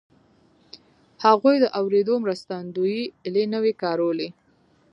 هغوی د اورېدو مرستندويي الې نه وې کارولې